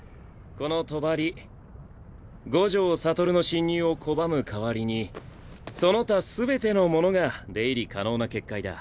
この帳五条悟の侵入を拒む代わりにその他全ての者が出入り可能な結界だ。